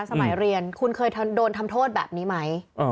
สมัยเรียนคุณเคยโดนทำโทษแบบนี้ไหม